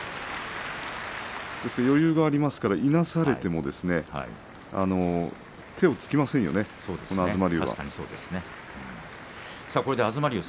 余裕があるのでいなされても手をつきませんよね、東龍は。